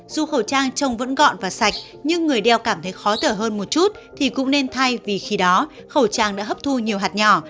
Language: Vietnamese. dù khẩu trang trông vẫn gọn và sạch nhưng người đeo cảm thấy khó thở hơn một chút thì cũng nên thay vì khi đó khẩu trang đã hấp thu nhiều hạt nhỏ